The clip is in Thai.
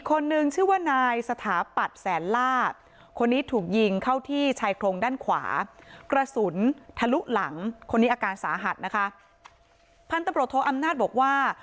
การสาหัสนะคะภัณฑ์ตำรวจโทษอำนาจบอกว่า